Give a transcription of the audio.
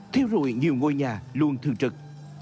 thiêu rụi nhiều ngôi nhà luôn thường trực